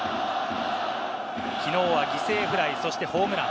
きのうは犠牲フライ、そしてホームラン。